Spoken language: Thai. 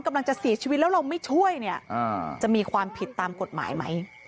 กำลังจะเสียชีวิตแล้วเราไม่ช่วยเนี่ยจะมีความผิดตามกฎหมายไหม